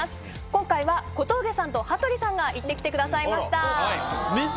今回は小峠さんと羽鳥さんが行って来てくださいました。